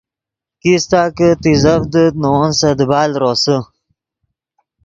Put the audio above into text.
کیستہ کہ تیزڤدیت نے ون سے دیبال روسے